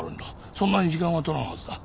そんなに時間は取らんはずだ。